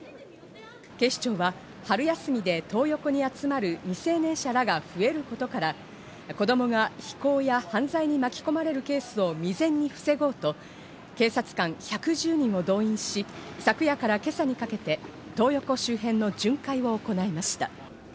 警視庁は春休みでトー横に集まる未成年者らが増えることから、子供が非行や犯罪に巻き込まれるケースを未然に防ごうと、警察官１１０人を動員し、昨夜から今朝にかけてトー横周辺の巡回を行いました。